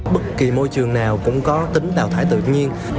bất kỳ môi trường nào cũng có tính nào thải tự nhiên